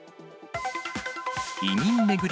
移民巡り